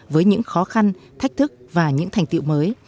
với những khó khăn thách thức và những thành tiệu mới